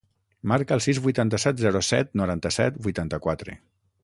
Marca el sis, vuitanta-set, zero, set, noranta-set, vuitanta-quatre.